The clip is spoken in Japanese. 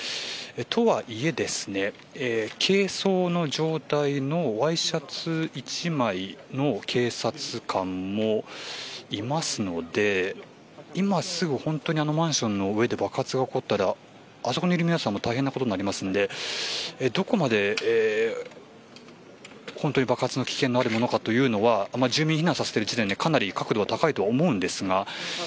とはいえ軽装の状態のワイシャツ１枚の警察官もいますので今すぐ本当にあのマンションの上で爆発が起こったらあそこにいる皆さんも大変なことになりますのでどこまで本当に爆発の危険があるものかというのは住民を避難させている時点で確度は高いと思うのですが